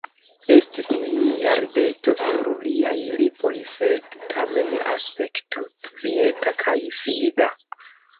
Estis nenia rideto sur liaj lipoj, sed tamen aspekto kvieta kaj fida.